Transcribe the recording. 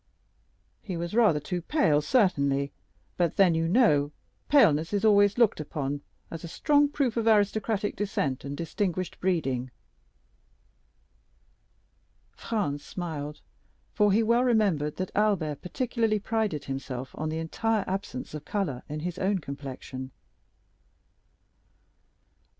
He was rather too pale, certainly; but then, you know, paleness is always looked upon as a strong proof of aristocratic descent and distinguished breeding." Franz smiled; for he well remembered that Albert particularly prided himself on the entire absence of color in his own complexion.